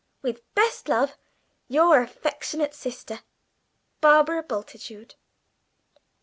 "With best love, your affectionate sister, "BARBARA BULTITUDE."